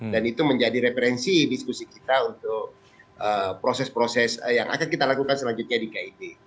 dan itu menjadi referensi diskusi kita untuk proses proses yang akan kita lakukan selanjutnya di kib